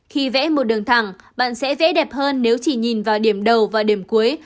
khi vẽ một đường thẳng bạn sẽ dễ đẹp hơn nếu chỉ nhìn vào điểm đầu và điểm cuối